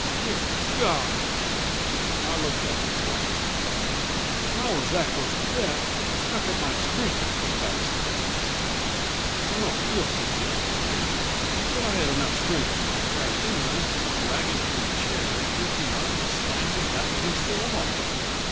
"Good God!" I looked at her, wondering. "If I was that close to death how could my strength have come back so fast? I don't feel too good right now. But I had enough strength when I crashed into him to drag him from the chair, lift him up and slam him back against the wall."